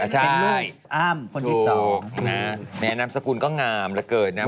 ถูกนะแม้นำสกุลก็งามเหลือเกิดนะ